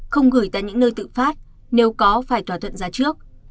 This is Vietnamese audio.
không gửi tại những nơi tự phát nếu có phải thỏa thuận giá trước